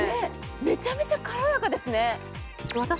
めちゃめちゃかろやかですね。